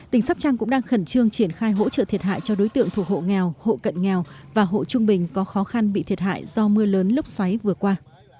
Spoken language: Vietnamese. tỉnh sóc trăng cũng đang khẩn trương triển khai hỗ trợ thiệt hại cho đối tượng thuộc hộ nghèo hộ cận nghèo và hộ trung bình có khó khăn bị thiệt hại do mưa lớn lốc xoáy vừa qua